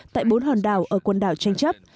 tại bốn hòn đảo ở quần đảo tranh chấp